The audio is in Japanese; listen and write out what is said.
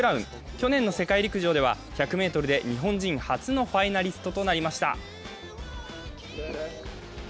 去年の世界陸上では１００ｍで日本人初のファイナリストとなりました。